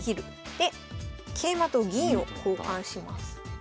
で桂馬と銀を交換します。